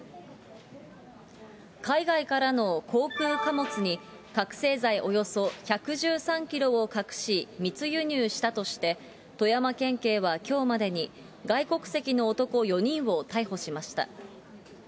海外からの航空貨物に、覚醒剤およそ１１３キロを隠し、密輸入したとして、富山県警はきょうまでに、外国籍の男４人を逮捕しました。